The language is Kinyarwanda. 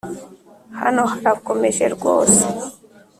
hano harakomeje rwose.